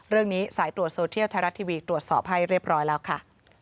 เรื่องนี้สายตรวจโซเทียลไทยรัฐทีวีตรวจสอบให้เรียบร้อยแล้วค่ะ